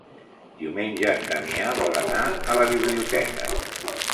Diumenge en Damià vol anar a la biblioteca.